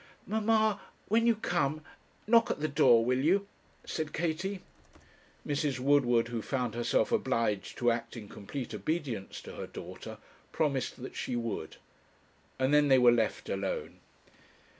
'Mamma, when you come, knock at the door, will you?' said Katie. Mrs. Woodward, who found herself obliged to act in complete obedience to her daughter, promised that she would; and then they were left alone.